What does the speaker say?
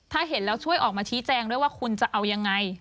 ถ้าเห็นแล้วช่วยออกมาชี้แจงด้วยว่าคุณจะเอายังไง